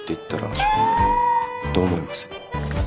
どう思います？